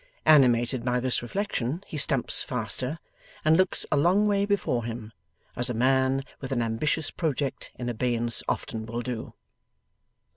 Animated by this reflection, he stumps faster, and looks a long way before him, as a man with an ambitious project in abeyance often will do.